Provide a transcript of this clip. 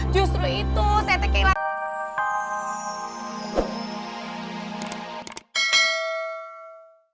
justru itu saya teki lagi